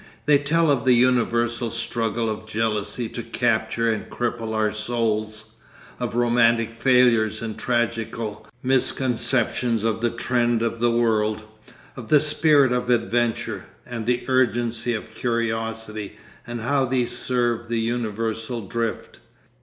They tell of the universal struggle of jealousy to capture and cripple our souls, of romantic failures and tragical misconceptions of the trend of the world, of the spirit of adventure, and the urgency of curiosity, and how these serve the universal drift.